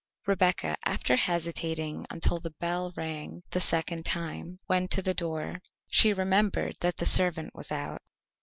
Rebecca, after hesitating until the bell rang the second time, went to the door; she remembered that the servant was out.